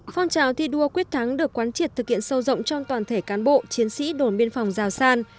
phong trào thi đua quyết thắng được quán triệt thực hiện sâu rộng trong toàn thể cán bộ chiến sĩ đồn biên phòng giào san